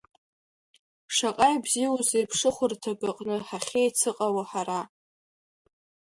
Шаҟа ибзиоузеи ԥшыхәырҭак аҟны ҳахьеицыҟало ҳара!